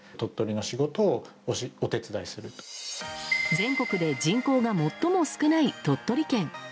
全国で人口が最も少ない鳥取県。